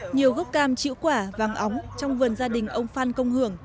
nhiều gốc cam chịu quả vàng óng trong vườn gia đình ông phan công hưởng